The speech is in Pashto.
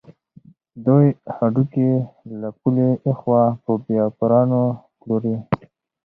دوی هډوکي له پولې اخوا په بېپارانو پلوري.